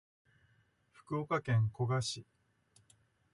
福岡県古賀市